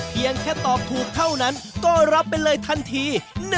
เพียงแค่ตอบถูกเท่านั้นก็รับไปเลยทันที